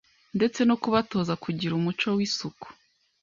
ndetse no kubatoza kugira umuco w’isuku